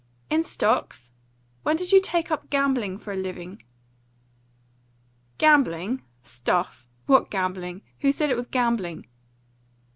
"In stocks? When did you take up gambling for a living?" "Gambling? Stuff! What gambling? Who said it was gambling?"